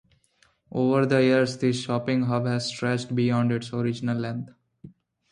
Over the years this shopping hub has stretched beyond its original length.